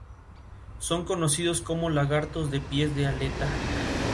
Son conocidos como lagartos de pies de aleta.